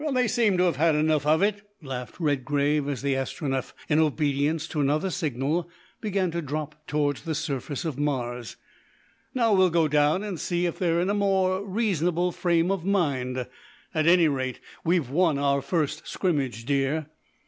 "They seem to have had enough of it," laughed Redgrave, as the Astronef, in obedience to another signal, began to drop towards the surface of Mars. "Now we'll go down and see if they're in a more reasonable frame of mind. At any rate we've won our first scrimmage, dear."